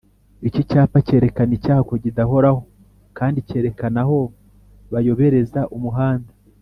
Iki cyapa cyerekana icyago kidahoraho kandi cyerekana aho bayobereza umuhanda